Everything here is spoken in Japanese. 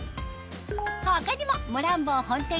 他にもモランボン本店